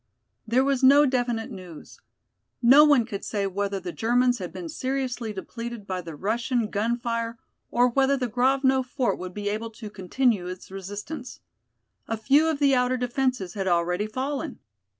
There was no definite news. No one could say whether the Germans had been seriously depleted by the Russian gun fire, or whether the Grovno fort would be able to continue its resistance. A few of the outer defenses had already fallen.